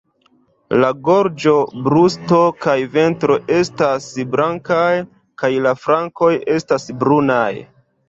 La gorĝo, brusto kaj ventro estas blankaj, kaj la flankoj estas brunaj.